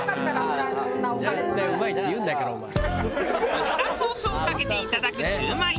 ウスターソースをかけていただくしゅうまい。